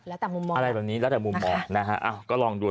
แล้วแต่มุมมอง